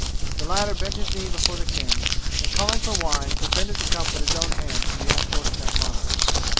The latter bent his knee before the king, and calling for wine, presented the cup with his own hands to the unfortunate monarch.